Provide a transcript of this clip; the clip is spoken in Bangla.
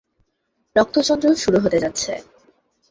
রক্তচন্দ্র শুরু হতে যাচ্ছে।